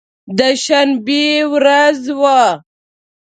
د شنبې ورځ وه.